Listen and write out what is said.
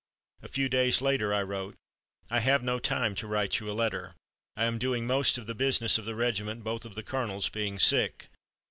A few days later I wrote: "I have no time to write you a letter. I am doing most of the business of the regiment, both of the colonels being sick.